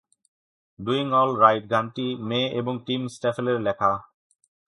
Doing all right গানটি May এবং Tim স্ট্যাফেলের লেখা।